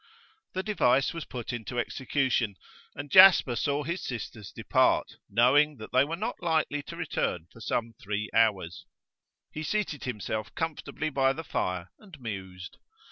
The device was put into execution, and Jasper saw his sisters depart knowing that they were not likely to return for some three hours. He seated himself comfortably by the fire and mused.